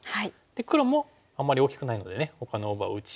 黒もあんまり大きくないのでほかの大場を打ち合うという。